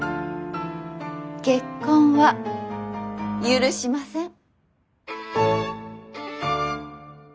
結婚は許しません。